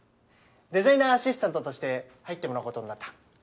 デザイナーアシスタントとして入ってもらうことになった。